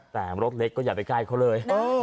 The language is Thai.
แต่รถเล็กก็อย่าไปใกล้เขาเลย